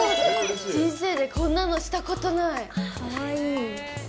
人生でこんなのしたことない。